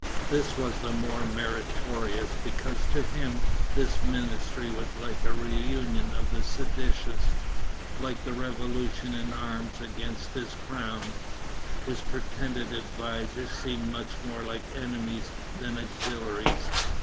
This was the more meritorious because to him this ministry was like a reunion of the seditious, like the Revolution in arms against his crown; his pretended advisers seemed much more like enemies than auxiliaries.